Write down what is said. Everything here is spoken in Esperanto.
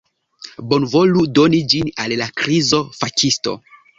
Bonvolu doni ĝin al la krizo-fakisto!